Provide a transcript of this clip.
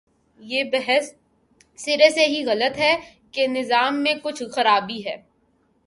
یہ بحث سرے سے ہی غلط ہے کہ نظام میں کچھ خرابی ہے۔